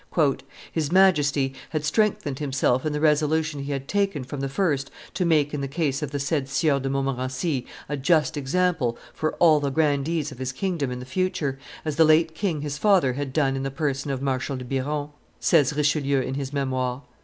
"His Majesty had strengthened himself in the resolution he had taken from the first to make in the case of the said Sieur de Montmorency a just example for all the grandees of his kingdom in the future, as the late king his father had done in the person of Marshal Biron," says Richelieu in his Memoires.